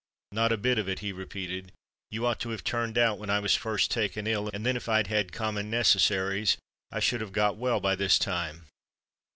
"Not a bit of it!" he repeated. "You ought to have turned out when I was first taken ill; and then if I'd had common necessaries I should have got well by this time.